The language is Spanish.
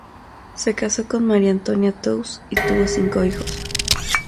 Se casó con María Antonia Tous y tuvo cinco hijos.